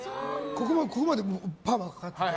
ここまでパーマがかかってて。